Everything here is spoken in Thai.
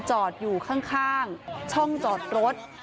จอดอยู่ข้างช่องจอดรถ